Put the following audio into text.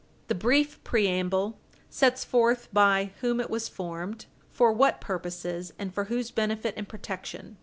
The brief preamble sets forth by whom it was formed, for what purposes, and for whose benefit and protection.